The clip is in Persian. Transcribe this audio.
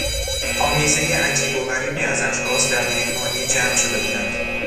آمیزهی عجیب و غریبی از اشخاص در مهمانی جمع شده بودند.